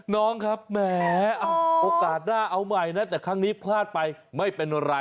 น้องครับแหมโอกาสหน้าเอาใหม่นะแต่ครั้งนี้พลาดไปไม่เป็นไร